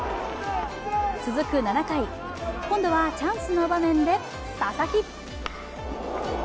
続く７回、今度はチャンスの場面で佐々木。